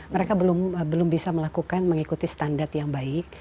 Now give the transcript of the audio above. mereka belum bisa melakukan mengikuti standar yang baik